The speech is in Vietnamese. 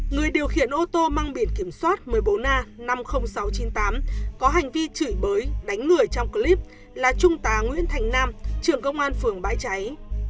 người điều khiển ô tô mang biển kiểm soát một mươi bốn a năm mươi nghìn sáu trăm chín mươi tám có hành vi chửi bới đánh người trong clip là trung tá nguyễn thành nam trưởng công an phường bãi cháy